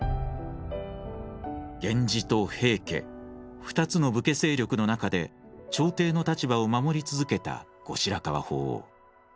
源氏と平家２つの武家勢力の中で朝廷の立場を守り続けた後白河法皇。